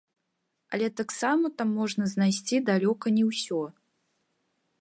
Але таксама там можна знайсці далёка не ўсё.